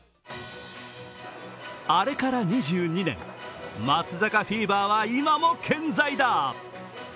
あれから２２年、松坂フィーバーは今も健在だ。